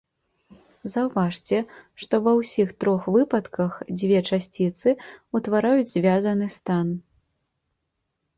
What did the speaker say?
Заўважце, што ва ўсіх трох выпадках дзве часціцы ўтвараюць звязаны стан.